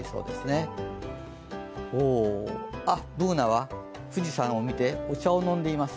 Ｂｏｏｎａは富士山を見てお茶を飲んでいます。